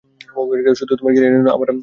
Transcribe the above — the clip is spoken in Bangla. শুধু তোমার ক্যারিয়ারই নয়, আমার ভবিষ্যতও।